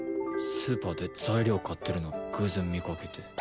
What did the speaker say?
⁉スーパーで材料買ってるの偶然見かけて。